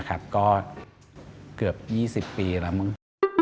ก็เกือบ๒๐ปีแล้วมึง